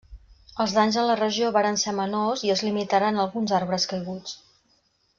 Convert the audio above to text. Els danys a la regió varen ser menors i es limitaren a alguns arbres caiguts.